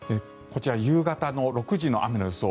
こちら、夕方の６時の雨の予想。